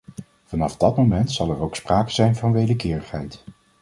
Vanaf dat moment zal er ook sprake zijn van wederkerigheid.